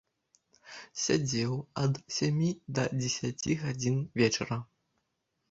Сядзеў ад сямі да дзесяці гадзін вечара.